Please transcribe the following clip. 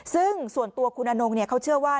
ซึ่งส่วนตัวคุณอนงเขาเชื่อว่า